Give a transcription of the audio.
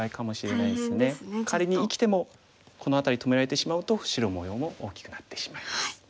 仮に生きてもこの辺り止められてしまうと白模様も大きくなってしまいます。